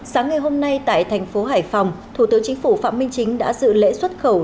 sáng ngày hôm nay tại thành phố hải phòng thủ tướng chính phủ phạm minh chính đã dự lễ xuất khẩu